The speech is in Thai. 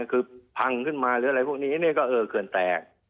คือพังขึ้นมาหรืออะไรพวกนี้ก็เออเขื่อนแตก